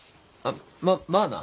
ままあな。